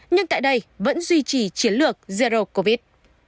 nhưng tại đây vẫn duy trì chiến lược zero covid